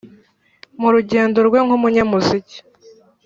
Mu rugendo rwe nk’umunyamuziki,